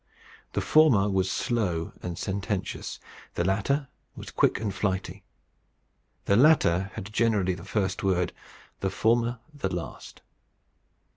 The former was slow and sententious; the latter was quick and flighty: the latter had generally the first word; the former the last.